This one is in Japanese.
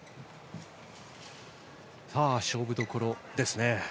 勝負どころですね。